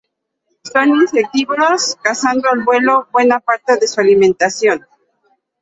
Son insectívoros, cazando al vuelo buena parte de su alimentación.